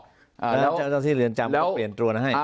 แล้วเจ้าหน้าที่เรือนจำก็เปลี่ยนตัวนะให้